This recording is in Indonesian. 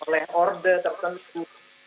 oleh order tertentu